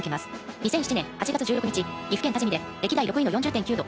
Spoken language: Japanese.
２００７年８月１６日岐阜県多治見で歴代６位の４０．９度。